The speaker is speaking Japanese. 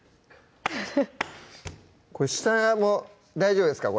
これ下大丈夫ですか？